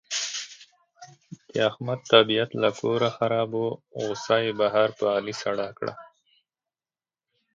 د احمد طبیعت له کوره خراب و، غوسه یې بهر په علي سړه کړه.